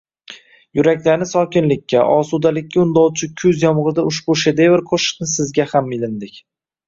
Yuraklarni sokinlikka, osudalikka undovchi kuz yomgʻirida ushbu shedevr qoʻshiqni sizga ham ilindik.